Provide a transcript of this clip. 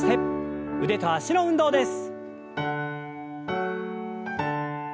腕と脚の運動です。